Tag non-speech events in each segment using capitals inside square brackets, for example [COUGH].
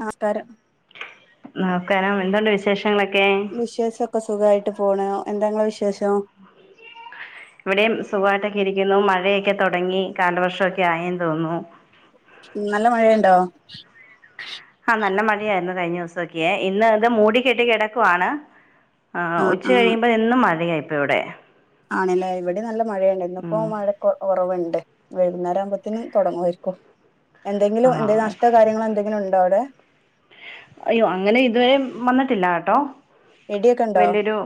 നാസ്ട്ടാരം നോക്കാനോ എന്തുണ്ട് വിശേഷങ്ങളൊക്കെ വിശേഷം ക്കെ സുഖയിട്ട് പോണ് എന്താ ഇങ്ങളെ വിശേഷം ഉ ഇവിടെയും സുഖായിട്ടൊക്കെ രിക്കുന്നു മഴയൊക്കെ തുടങ്ങി കാലവർഷൊക്കെ ആയെന്ന് തോന്നുന്നു നല്ല മഴയുണ്ടോ ആഹ് നല്ല മഴയായിരുന്നു കഴിഞ്ഞ ദിവസൊക്കെ ഇന്ന് ഇത് മൂടിക്കെട്ടി കിടക്കുവാണ് ആഹ് ഉച്ച കഴിയുമ്പോ എന്നും മഴയായിപ്പോ ഇവിടെ ആണ്ലെ ഇവിടെ നല്ല മഴയാണ് ഇന്നിപ്പോ ഉം മഴ കുറവുണ്ട് വൈകുന്നേരം ആവുമ്പോത്തിന് തുടങ്ങായിരിക്കും ആ എന്തെങ്കിലും എന്തെ നഷ്ടോ കാര്യങ്ങളോ എന്തെങ്കിലും ഉണ്ടോ അവിടെ അയ്യോ അങ്ങനെ ഇതുവരെ വന്നിട്ടില്ല കേട്ടോ ഇടിയൊക്കെ ഉണ്ടോ വലിയൊരു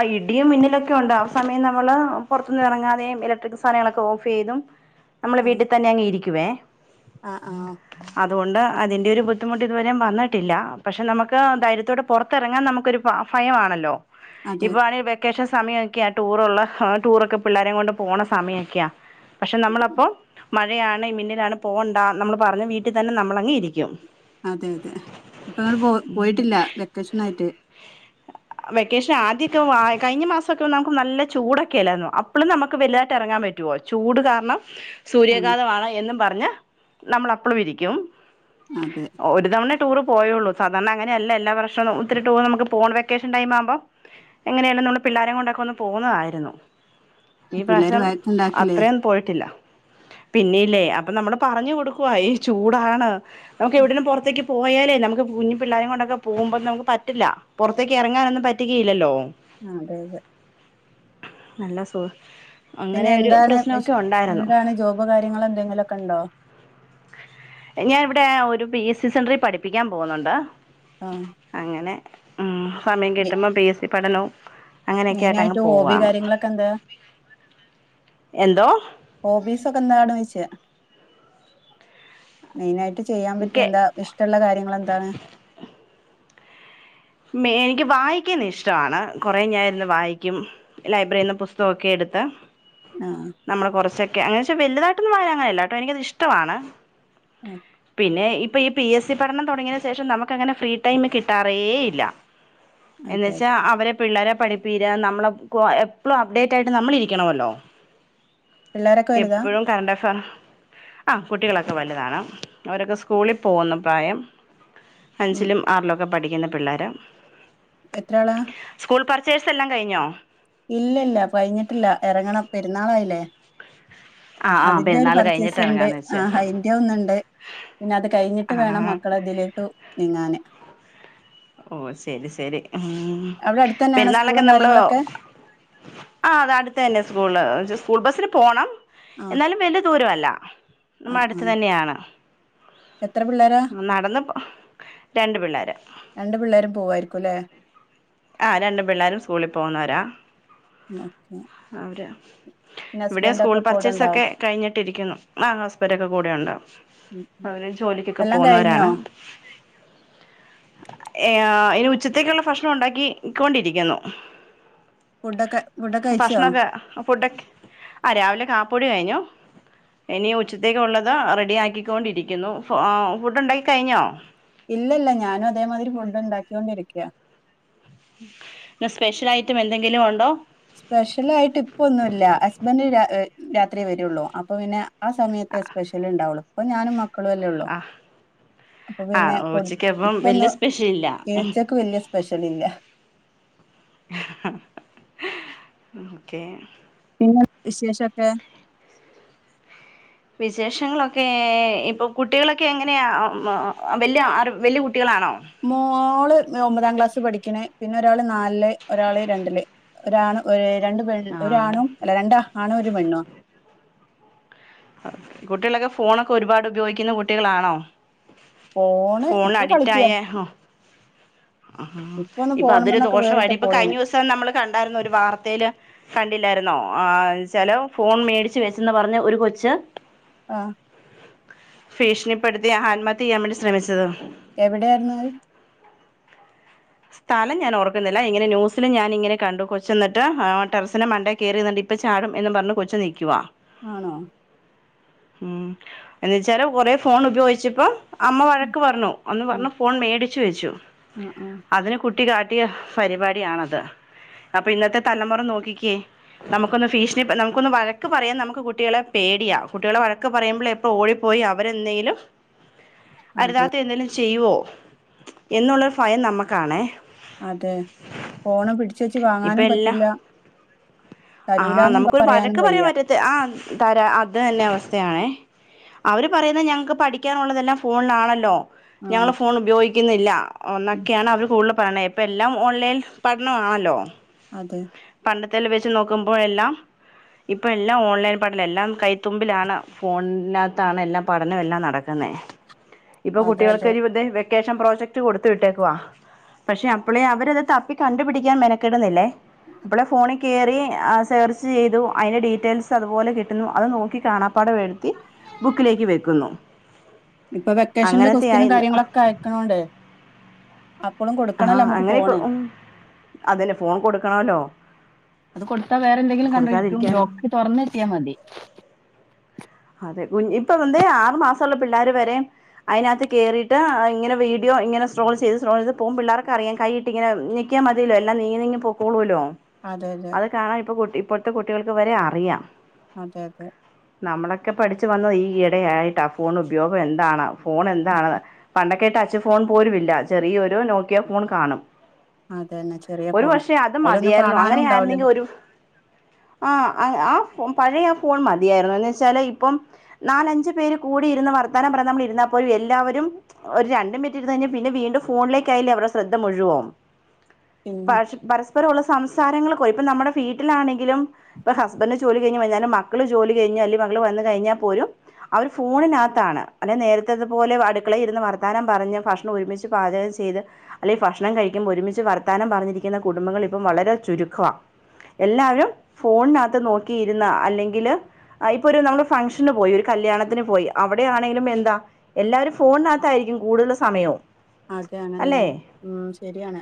ആഹ് ഇടിയും മിന്നലൊക്കെ ഉണ്ട് ആഹ് സമയം നമ്മള് പുറത്തുനിന്ന് ഇറങ്ങാതെയും ഇലക്ട്രിക് സാധനങ്ങളൊക്കെ ഓഫ് ചെയ്തും നമ്മൾ വീട്ടിൽ തന്നെ അങ്ങ് ഇരിക്കുവേ ആഹ് ആഹ് അതുണ്ട് അതിന്റെ ഒരു അത്തൊണ്ട് ഇതുവരും വന്നിട്ടില്ല പക്ഷെ നമുക്ക് ധൈര്യത്തോടെ പുറത്തിറങ്ങാൻ നമുക്കൊരു ഒരു ഭയംമാണല്ലോ അതെ ഇപ്പ ആണേ വെക്കേഷൻ സമയക്കെയാ ടൂർ ഉള്ള ടൂറൊക്കെ പിള്ളോരെ കൊണ്ട് പോണസമയം കെ സമയമൊക്കെയാ പക്ഷെ നമ്മള അപ്പോ മഴയാണ് മിന്നിലാണ് പോകണ്ട നമ്മള് പറഞ്ഞു വീട്ടിൽ തന്നെ നമ്മളങ്ങ ഇരിക്കും അതെ അതെ ഇപ്പൊ ഇങ്ങടെ പോ പോയിട്ടില്ല വെ ക്കേഷൻയിട്ട് വെക്കേഷൻ ആദ്യക്കെ കഴിഞ്ഞ മാസക്കെന്ന നമുക്ക് നല്ല ചൂടൊക്കെല്ലായിരുന്നു അപ്പോഴും നമുക്ക് വലുതട്ട് ഇറങ്ങാൻ പറ്റും പറ്റോ ചൂട് കാരണം ആഹ് സൂര്യാഘാതമാണ് എന്നും പറഞ്ഞ നമ്മൾ അപ്പളും ഇരിക്കും. അതെ- ഒരു തവണ ടൂറ് പോയുള്ളു സാധണ അങ്ങനെയല്ല എല്ലാ വർഷവും ഒത്തിരി ടൂറ് നമുക്ക്- പ്പോണ വെക്കേഷൻ ടൈം ആവുമ്പോം എങ്ങനെയാലും നമ്മള് പിള്ളാരെ കൊണ്ടൊക്കെ ഒന്ന് പോന്നതായിരുന്നു ഈ പിള്ളേര് പ്രാവശ്യം വഴക്കുണ്ടാക്കില്ലേ അത്രേയും പോയിട്ടില്ല പിന്നില്ലേ അപ്പൊ നമ്മള് പറഞ്ഞു കൊടുക്കുവ ഈ ചൂടാണ് നമുക്ക് എവിടേലും പൊറത്തേക്ക് പോയാലേ നമുക്ക് കുഞ്ഞു പിള്ളേരേ കൊണ്ടൊക്കെ പോകുമ്പോ നമുക്ക് പറ്റില്ല- പുറത്തേക്ക് ഇറങ്ങാനൊന്നും പറ്റുകയില്ലല്ലോ ആഹ് അതെ അതെ- നല്ല സോ പിന്നെ എന്താണ് വിശ് എന്താണ് ജോബ് കാര്യങ്ങൾ എന്തെങ്കിലുമൊക്കെ ഉണ്ടോ ഞാൻ ഇവിടെ ഒരു പി എസ് സി സെന്ററിൽ പഠിപ്പിക്കാൻ പോകുന്നുണ്ട് ആഹ് അങ്ങനെ മ് സമയം കിട്ടുമ്പോ പി എസ് സി പഠനവും അങ്ങനെയൊക്കെയായിട്ട് അങ്ങ് മെയിനായിട്ട് പോവാ ഹോബി കാര്യങ്ങളൊക്കെ എന്താ എന്തോ- ഓബീസ് ഒക്കെ എന്താരാണെന്ന്ചോയ്ച്ച- മെയിനായിട്ട് ചെയ്യാൻ പറ്റി കെ എന്താ ഇഷ്ടമുള്ള കാര്യങ്ങൾ എന്താണ് മേ എനിക്ക് വായിക്കൻ ഇഷ്ട്ട ആണ് കൊറേ ഞാനിരുന്ന് വായിക്കും ലൈബ്രറിന്ന് പുസ്തകൊക്കെ എട്ത്ത് ആഹ് നമ്മള് കൊറച്ചൊക്കെ അങ്ങനെച്ച വല്തായിട്ടൊന്നും വായന അങ്ങനെല്ലട്ടോ എനിക്കത്ഷ്ട്ടവാണ് പിന്നെ ഇപ്പ ഈ പിഎസി പഠനം തൊടങ്ങിയെന് ശേഷം നമുക്കങ്ങനെ ഫ്രീ ടൈം കിട്ടാറേ ഇല്ല അതെ എന്നച്ചാ അതെ അവരെ പിള്ളേരെ പഠിപ്പീര് നമ്മളെക്ക് എപ്പളും അപ്ഡേറ്റായിട്ട് നമ്മളിരിക്കണമല്ലോ പിള്ളേരൊക്കെ വലുതാ എപ്പഴും കറണ്ട് അഫ ആഹ് കുട്ടികളൊക്കെ വല്താണ് അവരൊക്കെ സ്കൂളി പോവുന്ന പ്രായം ഉം അഞ്ചിലും ആറിലോക്കെ പഠിക്ക്ന്ന പിള്ളേരാ എത്രാളാ? സ്കൂള് പർച്ചേഴ്സ് എല്ലാം കഴിഞ്ഞോ ഇല്ല ഇല്ല കഴിഞ്ഞിട്ടില്ല എറങ്ങണം പെരുന്നാളായില്ലേ ആ ആ അതിന്റെ ഒരു പെരുന്നാൾ കഴിഞ്ഞിട്ട് പർച്ചേസ്ണ്ട് ഇറങ്ങാന്ന് വെച്ച് ആഹ് അയിന്റെ ഒന്ന്ണ്ട് ഇഞ്ഞ് അത് കഴിഞ്ഞിട്ട് ആ വേണം മക്കളെ ഇതിലേട്ടു നീങ്ങാന് ഓഹ് ശരി ശരി ഉം അവിടെ അടുത്ത് തന്നെയാണോ പെരുന്നാളിനൊക്കെ സ്കൂളും നമ്മള് കാര്യങ്ങളൊക്കെ ആഹ് അത് അട്ത്തെന്നെ സ്കൂള് ച്ച സ്കൂള് ബസ്ന് പോണം ആഹ് എന്നാലും വല്ല്യ ദൂര അല്ല നമ്മ ആഹ് അട്ത്ത് ആഹ് തന്നെയാണ് എത്ര പിള്ളേരാ? നടന്ന് രണ്ട് പിള്ളേര് രണ്ട് പിള്ളേരും പോവായിരിക്കും ലേ ആഹ് രണ്ടും പിള്ളേരും സ്കൂളി പോവുന്നവരാ ഓക്കെ അവര് പിന്നെ ഇവിടെ ഹസ്ബൻഡ് സ്കൂൾ ഒക്കെ കൂടെ ഉണ്ടാവും പർച്ചേസൊക്കെ കഴിഞ്ഞിട്ടിരിക്കുന്നു ആഹ് ഹസ്ബന്റോക്കെ കൂടെ ഉണ്ടാവും ഉം ഉം അവര് ജോലിക്കൊക്കെ എല്ലാം കഴിഞ്ഞോ പോന്നോരാണ്. ഏഹ് ആഹ് അയ്ന് ഉച്ചത്തേനുള്ള ഭക്ഷണം ഒണ്ടാ- ക്കി ക്കോണ്ടിരിക്കുന്നു. ഫുഡൊക്കെ ഫുഡൊക്കെ കഴിച്ചോ ഭക്ഷണൊക്കെ ഫുഡൊക്കെ ആഹ് രാവിലെ കാപ്പുടി കൈഞ്ഞു. ഇനി ഉച്ചത്തേക്കുള്ളത് റെഡിയാക്കിക്കോണ്ടിരിക്കുന്നു. ഫു എഹ് ഫുഡുണ്ടാക്കി കഴിഞ്ഞോ? ഇല്ലല്ല ഞാനും അതേമാതിരി ഫുഡ്ണ്ടാക്ക്യോണ്ടിരിക്കാ. ഇന്ന് സ്പെഷ്യലൈറ്റം എന്തെങ്കിലും ഒണ്ടോ? സ്പെഷ്യലായിട്ട് ഇപ്പൊന്നൂല്ല. ഹസ്ബെന്റ് രാ എഹ് രാത്ര്യേ വെരൊള്ളൂ. അപ്പൊ പിന്നെ ആ സമയത്തെ സ്പെഷ്യല്ണ്ടാവൊള്ളു ഇപ്പൊ ഞാനും മ ക്കളുഅല്ലെ ഒള്ളൂ. ആ അപ്പൊ ആ പിന്നെ ഇപ്പൊ, ഉച്ചക്കപ്പം ഇപ്പൊന്ന് വല്യ സ്പെഷ്യലില്ല ഏഴച്ചക്ക് വല്ല്യേ സ്പെഷ്യല് ഇല്ല. ഓക്കെ പിന്നെ വിശേഷൊക്കെ വിശേഷങ്ങളൊക്കെ ഇപ്പൊ കുട്ടികളൊക്കെ എങ്ങനെയാ വലിയ വല്യ കുട്ടികളാണോ മോള് ഒമ്പതാം ക്ലാസ് പഠിക്കണ് പിന്നെ ഒരാള് നാലില് ഒരാള് രണ്ടില് ഒരാണു രണ്ട് പെണ് ആഹ് ഒരാണും അല്ല രണ്ട് ആണും ഒരു പെണ്ണും കുട്ടികളൊക്കെ ഫോണൊക്കെ ഒരുപാട് ഉപയോഗിക്കുന്ന കുട്ടികളാണോ? ഫോണ് ഫോൺ ഇപ്പൊ അഡിക്റ്റ കളിക്കുക ആയ ആ ഒന്ന് ഇപ്പൊ അതൊരു പോണന്നൊക്കെ വേറിട്ട് ദോഷമായിട്ട് ഇപ്പൊ കഴിഞ്ഞ പോയിണ് ദിവസം നമ്മള് കണ്ടായിരുന്നു ഒരു വാർത്തയില് കണ്ടില്ലായിരുന്നോ ആ ചലോ ഫോൺ മേടിച്ചു വെച്ചെന്ന് പറഞ്ഞ ഒരു കൊച്ച് ആഹ് ഭീഷണിപ്പെടുത്തി ആത്മഹത് ചെയ്യാൻ വേണ്ടി ശ്രമിച്ചത്. എവിടെ ആയിരുന്നു അത് സ്ഥലം ഞാൻ ഓർക്കുന്നില്ല ഇങ്ങന ന്യൂസിലും ഞാനങ്ങെ കണ്ടു കൊച്ചുങ്ങിട്ട് ടെറസിനെ മണ്ടേ കയറി പ്പ ചാടും എന്നന്ന് പറഞ്ഞ് കൊച്ചു നിക്കുവാ ആന്നോ ഉം എന്ന വച്ചാല് കൊറെ ഫോൺ ഉപയോഗിച്ചപ്പ അമ്മ വഴക്ക് പറഞ്ഞു അന്ന് ആഹ് പറഞ്ഞു ഫോൺ മേടിച്ച് വെച്ചു ആഹ് ആഹ് അതിന് കുട്ടി കാട്ടിയ പരിപാടിയണത് അപ്പൊ ഇന്നത്തെ തലമുറ നോക്കിക്കേ നമുക്കൊന്ന് ഫീഷ നമുക്കൊന്ന് വഴക്ക് പറയാൻ നമുക്ക് കുട്ടികളെ പേടിയാ കുട്ടികളെ വഴക്ക് പറയുമ്പോൾ എ ഓടിപ്പോയി അവരെന്തെങ്കിലും അതെ അരുതാത്ത എന്തെങ്കലും ചെയ്യുവോ എന്നുള്ളൊരു ഭയം നമ്മുക്കാണേ അതെ ഫോണ് പിടച്ച് വെച്ച് ഇപ്പൊ വാങ്ങാനും എല്ലാം പറ്റൂല്ല ആ തരൂലാന്നും നമുക്കൊരു പറയാനും വഴക്ക് പറയാൻ വയ്യ പറ്റത്ത ആ തരാം അത് തന്നെ അവസ്ഥയാണേ അവര് പറയുന്നത് ഞങ്ങക്ക് പഠിക്കാനുള്ളതെല്ലാം ഫോണിലാണല്ലോ ഞങ്ങൾ ആഹ് ഫോൺ ഉപയോഗിക്ക ക്കുന്നില്ല ഉം ഒന്നൊക്കെയാണ് അവർ കൂടുതൽ പറയണത് ഇപ്പം എല്ലാം ഓൺലൈനി പഠനമാണല്ലോ അതെ പണ്ടത്തെല്ല വെച്ച് നോക്കുമ്പോഴെല്ലാം ഇപ്പം എല്ലാം ഓൺലൈൻ പഠനം എല്ലാം കൈത്തുമ്പിലാണ് ഫോണിനകത്താണ് എല്ലാം പഠനം എല്ലാം നടക്കുന്നത് ഇപ്പൊ അതെ അതെ കുട്ടികൾക്കൊരു തേ വെക്കേഷൻ പ്രോജക്ട് കൊടുത്ത വിട്ടേക്കുവാ പക്ഷെ അപ്പോള അവരത് തപ്പി കണ്ടുപിടിക്കാൻ മെനക്കിടുന്നില്ലേ അപ്പോളെ ഫോണിൽ കയറി സെർച്ച് ചെയ്തു അതിന്റെ ഡീറ്റെയിൽസ് അതുപോലെ കിട്ടുന്നു അത് നോക്കി കാണാപ്പാട എഴുതി ബുക്കിലേക്ക് വെക്കുന്നു. ഇപ്പൊ വെക്കേഷനില് അങ്ങനത്തെ കൊസ്റ്റീനും ആയി കാര്യങ്ങളൊക്കെ അയക്കണോണ്ടെ ആഹ് അങ്ങനെ ഇപ്പൊ ഫോണ് ഉ അതന്നെ ഫോൺ കൊടുക്കണല്ലോ അത് കൊടുത്താ വേറെ എന്തെങ്കിലും കണ്ടോ ഇ ലോക്കി തുറന്നെത്തിയാൽ മതി അതെ കു ഇപ്പൊ എന്തേ ആറു മാസമുള്ള പിള്ളേര് വരെയും അയിനത്ത് കേറിട്ട്ഇങ്ങനെ വീഡിയോങ്ങനെ സ്രോള് ചെയ്ത് സ്ട്രോളിത് പോം പിള്ളേർക്കറിയാം കയിട്ട് ട്ട്ങ്ങനെ നെക്കിയാൽ മതിയല്ലോ എല്ലാം നീങ്ങി നീങ്ങ പോക്കൊളോല്ലോ അതെ തെ താഴ് പ്പൊ കുട്ടി ഇപ്പോഴ്ത്തെ കുട്ടികൾക്ക് വരെ അറിയാം അതെ തെ നമ്മളൊക്കെ പഠിച്ചു വന്നെ ഈടെയായിട്ടാ ഫോണുപയോഗന്താണ് ഫോൺ എന്താണ് പണ്ടൊക്കെ ടച്ച് ഫോൺ പോലുംല്ല ചെറിയൊരു നോക്കിയാ ഫോൺ കാണും അതന്നെ ചെറിയ ഒരു ഫോണ് പക്ഷേ അത് അതിലൊന്നും മതിയായിരുന്നു കാണാനും ഉണ്ടാവില്ലല്ലോ അങ്ങനൊയിരുന്നെങ്കിഒരു ആ അങ്ങ് ആ ഫൊ പഴയാ ഫോൺ മതിയായിരുന്നു എന്നെച്ചാല് ഇപ്പം നാലഞ്ചു പേര് കൂടി ഇരുന്ന് വർത്താനംപറയാനമ്മളിരുന്നാപോഴും എല്ലാവരും ഒരണ്ടു മിനിറ്റ് ഇരുന്നഴിഞ്ഞാൽ പിന്നെ വീണ്ടും ഫോണിലേക്കായിലെ അവർടെ ശ്രദ്ധ മുഴുവം പിന്നെ പഷ് പരസ്പരൊള്ള സംസാരങ്ങൾ ഇപ്പൊ നമ്മ്ടെ ഫീട്ടിലാണെങ്കിലും ഇപ്പ ഹസ്ബന്റ് ജോലി കഴിഞ് വൈന്നാലും മക്കള് ജോലി കഴിഞ്ഞാൽ മകള് വന്ന് കഴിഞ്ഞാ പോലും അവര് ഫോണിനകത്താണ് അല്ലെ നേരത്തതുപോലെ അടുക്കളെയിലിരുന്ന് വർത്താനം പറഞ്ഞ് ഭക്ഷ് ഒരുമിച്ച് പാചകം ചെയ്ത് അല്ലെങ്കി ഭക്ഷണം കഴിക്കുമ്പോ ഒരുമിച്ച് വർത്താനം പറഞ്ഞിരിക്കുന്ന കുടുംബങ്ങൾ ഇപ്പം വളരെ ചുരുക്കാ എല്ലാവരും ഫോണിനകത്ത് നോക്കിയിരുന്ന അല്ലെങ്കിൽ അ ഇപ്പൊ ഒരു നമ്മള് ഫംഗ്ഷന് പോയി ഒരു കല്യാണത്തിന് പോയി അവിടെയാണെങ്കിലും എന്താ എല്ലാവരും ഫോണിനകത്തായിരിക്കും കൂടുതൽ സമയം അതെ അനെൻൻന്ന മ് ശെരിയാണ്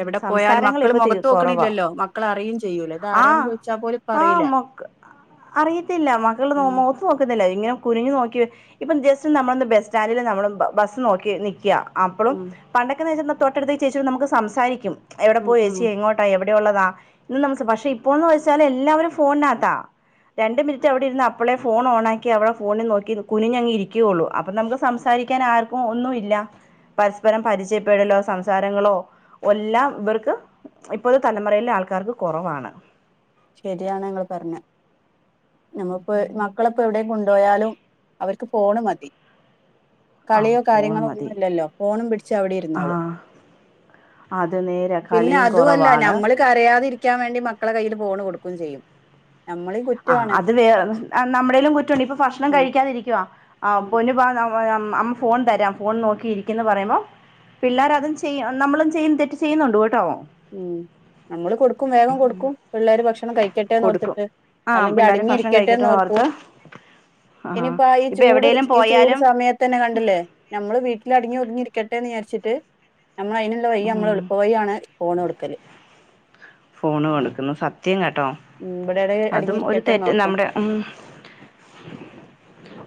എവിടെ പോയാലും സംസാരങ്ങൾ മക്കൾ ഇപ്പോൾ കുറവാ മൊഖത്തൊക്ക്ണില്ലല്ലോ മക്കൾ അറിയും ചെയ്യൂലാ ആഹ് ഇതാരാന്ന് ചോയിച്ചാപോലും ആഹ് പറീല്ല മൊക്ക് അറിയത്തില്ല മക്കള് നോ മോ നോക്ക്ന്നില്ല ഇങ്ങനെ കുനിഞ്ഞു നോക്കി ഇപ്പൊജെസ്റ്റ് നമ്മളൊന്ന് ബെസ്സ്റ്റാൻഡില് നമ്മള്ബസ് നോക്കി നിക്കൃ അപ്പളും ഉം പണ്ടൊക്കെ നേച്ചന്ന തോട്ടടുത്ത ചേച്ചോട് നമുക്ക് സംസാരിക്കും എവിടെ ഉം പോയേച്ചി ഉം എങ്ങോട്ട് ട്ട എവിടൊള്ളതാ ഇന്ന് നമ്സെ പക്ഷെ ഇപ്പോന്ന് വെച്ചാൽ എല്ലാവരും ഫോണിനത്താ രണ്ട് മിനിട അവിടേരുന്നാ അപ്പളെ ഫോൺ ഓണാക്കി അവ്ടെ ഫോണിൽ നോക്കി കുഞ്ഞങ്ങി രിക്കേയൊള്ളൂ അപ്പൊ നമക്ക് സംസാരിക്കാൻ ആർക്കും ഒന്നും ഇല്ല പരസ്പരം പരിചയപ്പെടലോ സംസാരങ്ങളോ ഒല്ലാം ഇവർക്ക് ഇപ്പോത്തെ തലമുറയിലെ ആൾക്കാർക്ക് കൊറവാണ് ശെരിയാണ് ങ്ങള് പറഞ്ഞെ നമ്മപ്പേ മക്കള് പ്പവ്ടെ കൊണ്ടോയാലും അവർക്ക് ഫോണ് മതി ആ കളിയോ ഫോൺ കാര്യങ്ങളോ ഒന്നും മതി ല്ലല്ലോ ഫോണും പിടിച്ചഅവിടെ ആ ഇരിന്നോളും അത് നേരാ കളിയും കൊറവാണ് കരയാതിരിക്യാൻ വേണ്ടി മക്കളെ കയ്യിൽ പോൺ കൊടുകും ചെയ്യും നമ്മളീ ആ കുറ്റമാണ് അത് വേ നമ്മുടെലും കുറ്റൊണ്ട് ഇപ്പൊ ഫക്ഷണം ഉം കഴിക്കാതി ഇരിക്ക് വാ ആ പൊന്ന് പാ നമ് [UNINTELLIGIBLE] അമ്മ ഫോൺ തരാം ഫോൺ നോക്കിയിരിക്കീന്ന് പറീയമ്പോ പിള്ളോരതും ചെയ്യും നമ്മളും ചെയ്യും തെറ്റ് ചെയ്യുന്നുണ്ട് ട്ടോ മ് നമ്മള് കൊടുക്കും വേഗം കൊടുക്കും പിള്ളേര് ഭക്ഷണം കൊടുക്കും കഴിക്കട്ടെന്നോർത്തിട്ട് ആ പിള്ളേർ അല്ലങ്കിഅടങ്ങി ഭക്ഷണം കഴിക്കട്ടെന്ന് ഇരിക്കട്ടെന്നോർക്കൂ ഓർത്ത് ആ ഇനിപ്പോ ഈ ഇപ്പം ചൂട് എവിടെലും ഈ ചൂട് പോയാലും സമയ തന്നെ കണ്ടില്ലേ നമ്മള് വീട്ടിൽ അടങ്ങി ഒതുങ്ങിരിക്കട്ടെന്ന്ജാരിച്ചിട്ട് നമ്മളയിന് ലെ വയി ഉം മ്മളെളുപ്പയിയാണ് ഫോണൊടുക്കല് ഫോണ് കൊടുക്ക്ന്ന സത്യം ങട്ടോ മ് ബെടെടെ അടിഞ്ഞിരിക്കട്ടെന്നൊർക്കും ആ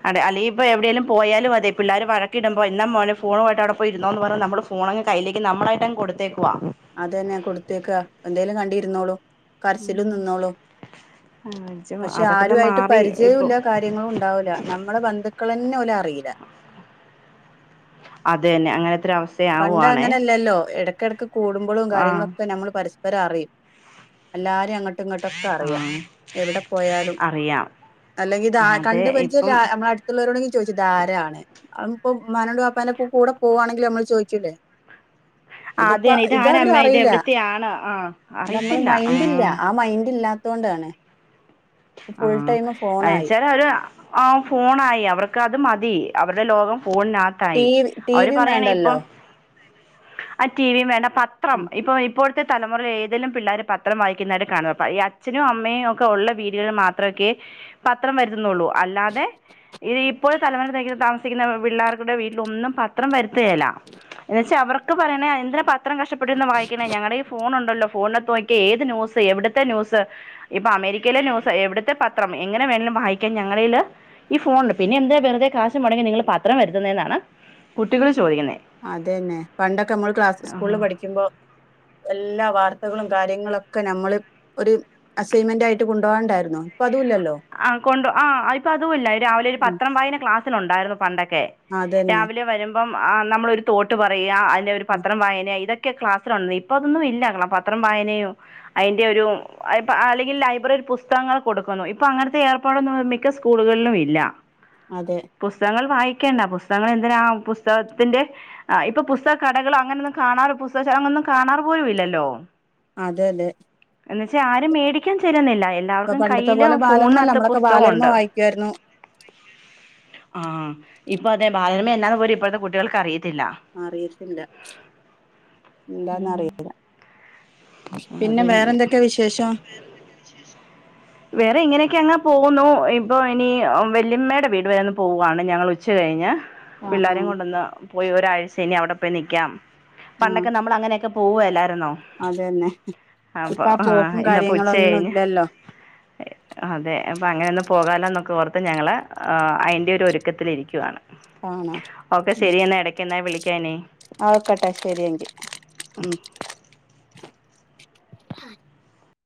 അടെ അല്ലെങ്കിപ്പോ എവിടേലും പോയാലും അതെ പിള്ളേര് വഴക്കിടുമ്പോ എന്നാ മോനെ ഫോണുവായിട്ടവിടെ പോയിരുന്നോന്ന് പറഞ്ഞ നമ്മള് പൊണങ് കയ്യിലേക്ക് നമ്മളായിട്ടങ് കൊടുത്തേക്കുവാ അതെന്നെ കൊടുത്തേക്ക എന്തേലും കണ്ടിരുന്നോളും കലച്ചിലും നിന്നോളും ആഹ് ജോ പക്ഷെ അതൊക്കെ ഒന്ന് ആരോയിട്ട് മാറി ഇപ്പൊ പരിചയോല്ല കാര്യങ്ങളും ണ്ടാവൂല നമ്മളെ ബന്ധുക്കളന്നെ ഓല അറീല്ല അതെന്നെ അങ്ങനെത്തൊര വസ്ഥ പണ്ട അങ്ങനല്ലല്ലോ എടക്കെടക്ക് കൂടുമ്പളും ആഹ് കാര്യങ്ങളൊക്കെ നമ്മൾ പരസ് വരെ അറിം എല്ലാരും അങ്ങട്ടും ഇങ്ങോട്ടൊക്കെ അറിയാം ആഹ് എവിടെ പോയാലും അറിയാം അല്ലെങ്കിൽ ഇതാ അതെ കണ്ട് പരിചയല്ല ഇപ്പം ആ നമ്മട് ത്ത് ളോരോടെങ്കി ചോയിച്ചു ഇതാരാണ് അ ഒന്നുപ്പം ഇമ്മാ നോട് വാപ്പാന്റെ പ്പം കൂടെ പോവാണെങ്കിൽ നമ്മൾ ചോയി ച്ചുലേ അത് ഇതിപ്പ തന്നെ ഇത് അവര് ഇതാരമ്മ ഇത് അറിയില്ല എവിടത്തെയാണ് ആഹ് നമ്മള് അറിയത്തില്ല മൈൻഡ് ല്ല ആഹ് ആ മൈൻഡ് ഇല്ലാത്തോ ണ്ടാണ് ആഹ് ഫോണായി അഹ്ച്ചാല് അവര് ആ ഫോണായി അവർക്കത് മതി അവരുടെ ലോകം ഫോണിനാ ടി ത്തായി വി ടി അവര് വിയും പറയണ ഇപ്പൊ വേണ്ടല്ലോ ആ ടി വി വേണ്ട പത്രം ഉം ഇപ്പൊ ഇപ്പോൾ ത്തെ തലമുറ ഏതേലും പിള്ളോര് പത്രം വായിക്കുന്നായിട്ട് കാണുന്ന അപ്പംഈ അച്ഛനും അമ്മയും ഒക്കെ ഉള്ള വീട്ട് ട്ടിയേള് മാത്രക്കെ പത്രം വരുത്തുന്നുള്ളൂ അല്ലാതെ ഇത് ഇപ്പോൾ തലമുറ തേ താമസിക്കുന്ന പിള്ളേർക്കടെ വീട്ടിലൊന്നും പത്രം വരുത്തുകല്ല എന്നുവച്ചാ അവർക്ക് പറയണേ എന്തിന പത്രം കഷ്ടപ്പെട്ട് ര്ന്ന് വായിക്കണേ ഞങ്ങളുടെയെല്ഫോണ് ണ്ടല്ലോ ഫോണ് ട്ത്ത്നോക്കിയ ഏത് ന്യൂസ് എവിടുത്തെ ന്യൂസ് ഇപ്പൊ അമേരിക്കയിലെ ന്യൂസ് എവിടുത്തെ പത്രം എങ്ങനെ വേണലും വായിക്കാൻ ഞങ്ങളില് ഈ ഫോണ് ണ്ട് പിന്നെ എന്തിനാ വെറുതെ കാശ് മുടങ്ങി നിങ്ങള് പത്രം വരുത്തുന്നേ ന്നാണ് കുട്ടികൾ ചോദിക്കുന്നേ അതെ ന്നെ പണ്ടൊക്കെ നമ്മള് ക്ലാസ്സ് സ്കൂളിൽ പഠിക്കുമ്പോ എല്ലാ വാർത്തകളും കാര്യങ്ങളൊക്കെ നമ്മള് ഒരു അസൈൻമെന്റ് ആയിട്ട് കൊണ്ടോ കാൻണ്ടായിരുന്നു ഇപ്പൊ അതു ല്ലല്ലോ ആ കൊണ്ട് ആ ഇപ്പൊ അതുമല്ല രാവിലെ ഒരു ഉം പത്രം വായന ക്ലാസ്സില് ഉണ്ടായിരുന്നു പണ്ടൊക്കെ അതന്നെ രാവിലെ വരുമ്പം ആ നമ്മളൊ രു തോട്ട് പറയാ അതിന്റെ ഒരു ഉം പത്രം വായന ഇതൊ ക്കെ ക്ലാസ്സിലൊ [UNINTELLIGIBLE] ഇപ്പ അതൊന്നും ഇല്ല പത്രം വായനയോ അയിന്റെ ഒരു അയി പ്പ അല്ലെങ്കിൽ ലൈബ്രറി ര് പുസ്തകങ്ങൾ കൊടുക്കുന്നു പ്പം അങ്ങന് ത്തെ ഏർപ്പാടൊന്നും മിക്ക സ്കൂളുകളിലും ഇല്ല അതെ പുസ്തകങ്ങൾ വായിക്കേണ്ട പുസ്തകങ്ങൾ എന്തിനാ പുസ്തകത്തിന്റെ ആഹ് ഇപ്പൊ പുസ്തക കടകളോ അങ്ങനൊന്നും കാണാറ് പുസ്തക അങ്ങൊന്നും കാണാറ് പോലും ഇല്ലല്ലോ അതെ അതെ എന്ന വച്ചാ ആരും മേടിക്കാൻ ചെല്ലുന്നില്ല ഇപ്പൊ എല്ലാവർക്കും പണ്ടത്തെ കയ്യിലും പോലെ ബാലരമ അല്ല ഫോണിനകത്ത് നമ്മളൊക്കെ ബാലരമ പുസ്തകമുണ്ട് വായിക്കുവായിരുന്നു ആഹ് ഇപ്പൊ അതെ ബാലരമ എന്നാ ന്ന് പോലും ഇപ്പോഴത്തെ കുട്ടികൾക്ക് അറിയത്തില്ല അറിയത്തില്ല എന്താന്ന്റിയ പിന്നെ വേറെ അതന്നെ എന്തൊക്കെ വിശേഷം വേറെ ഇങ്ങനെയൊക്കെ അങ്ങെ പോകുന്നു ഇപ്പൊ ഇനി വെല്ലിയമ്മയുടെ വീട് വരെന്ന് പോവാണ് ഞങ്ങൾ ഉച്ച കഴിഞ്ഞ ആ ആ പിള്ളോരെ കൊണ്ടന്ന് പോയി ഒരാഴ്ച ഇനി അവിടെ പോയി നിൽക്കാം പണ്ടൊക്കെ നമ്മൾ അങ്ങനെയൊക്കെ പോവ അല്ലായിരുന്നോ അത ന്നെ ഇപ്പ ആ പോക്കും ഇന്നപ്പോ ഉച്ച കാര്യങ്ങളൊ ന്നും കഴിഞ്ഞ് ഇല്ലല്ലോ [UNINTELLIGIBLE] അതെ അപ്പം അങ്ങനെയൊന്നും പോകാലൊന്നൊക്കെ ഓർത്ത് ഞങ്ങ ള് അയിൻ്റെ ഒരുക്കത്തിലിരിക്കുവയാണ് ആണോ ഓക്കെ ശരി എന്നാ ഇടക്ക് എന്നാ വിളിക്കാനേ ആഹ്ഓക്കട്ടെ ശരിയങ്കി ഉം